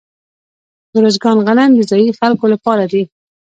د ارزګان غنم د ځايي خلکو لپاره دي.